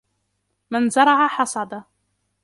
من زرع حصد